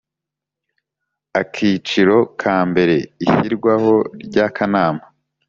Akiciro ka mbere Ishyirwaho ry Akanama